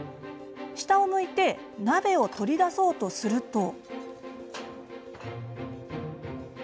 下を向いて鍋を取り出そうとすると。